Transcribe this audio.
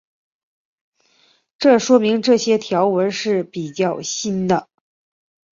这说明这些条纹是比较新的。